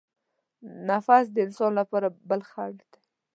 نفس د انسان لپاره بل خڼډ دی.